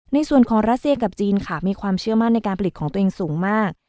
ในส่วนของรัสเซียกับจีนค่ะมีความเชื่อมั่นในการผลิตของตัวเองสูงมาก